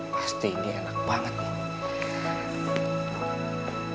pasti ini enak banget ini